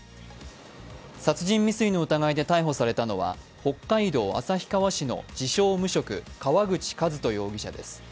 殺人未遂の疑いで逮捕されたのは、北海道旭川市の自称・無職、川口和人容疑者です